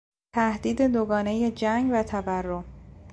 تهدید دوگانهی جنگ و تورم